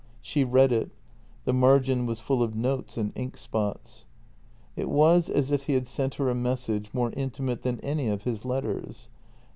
She read it. The margin was full of notes and ink spots. It was as if he had sent her a message more intimate than any of his letters.